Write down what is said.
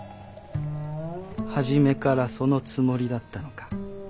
初めからそのつもりだったのか？